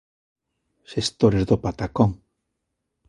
Xestores do patacón.